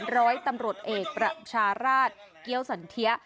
ร้อยตำรวจเอกประชาราชเกี้ยวสันเทีย